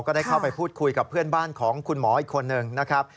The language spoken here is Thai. ได้เข้าไปพูดคุยกับเพื่อนบ้านของคุณหมออีกคนหนึ่งนะครับ